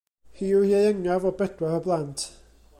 Hi yw'r ieuengaf o bedwar o blant.